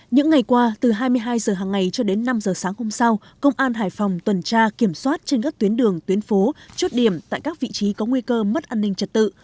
những ngày qua từ hai mươi hai h hàng ngày cho đến năm h sáng hôm sau công an hải phòng tuần tra kiểm soát trên các tuyến đường tuyến phố chốt điểm tại các vị trí có nguy cơ mất an ninh trật tự